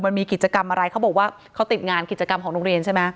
มันมีกิจกรรมอะไรเขาบอกว่าเขาติดงานกิจกรรมของโรงเรียนใช่ไหม